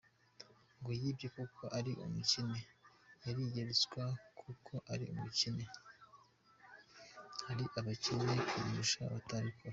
ngo yibye kuko ari umukene, yariye ruswa kuko ari umukene, hari abakene kumurusha batabikora.